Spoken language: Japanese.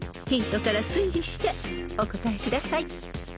［ヒントから推理してお答えください］